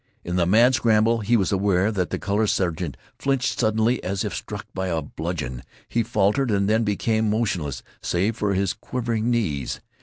In the mad scramble he was aware that the color sergeant flinched suddenly, as if struck by a bludgeon. He faltered, and then became motionless, save for his quivering knees.